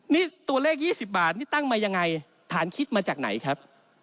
นี่ตัวเลข๒๐บาทนี่ตั้งมายังไงฐานคิดมาจากไหนครับ